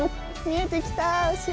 見えてきた、お城。